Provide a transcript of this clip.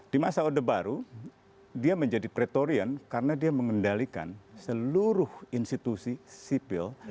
di masa orde baru dia menjadi pretorian karena dia mengendalikan seluruh institusi sipil